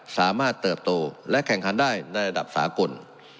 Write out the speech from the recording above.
สามารถเติบโตและแข่งคันได้ในระดับสาคุณ